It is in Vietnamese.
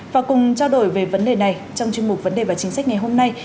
và cùng trao đổi về vấn đề này trong chuyên mục vấn đề và chính sách ngày hôm nay